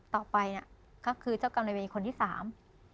ต่อไปน่ะก็คือเจ้ากรรมในเวรคนที่สาม